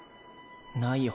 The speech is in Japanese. ないよ